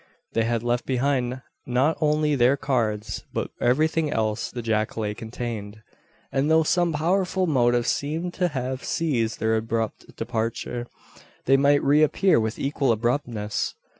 They had left behind not only their cards, but everything else the jacale contained; and though some powerful motive seemed to have caused their abrupt departure, they might re appear with equal abruptness.